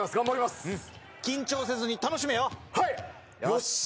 よし。